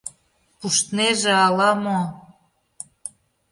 Пуштнеже ала-мо!..